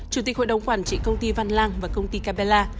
chủ tịch hội đồng quản trị công ty văn lang và công ty capella